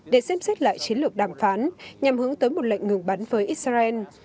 để xem xét lại chiến lược đàm phán nhằm hướng tới một lệnh ngừng bắn với israel